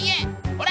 ほら！